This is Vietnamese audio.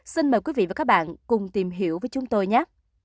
xin mời quý vị và các bạn cùng tìm hiểu với chúng tôi nhé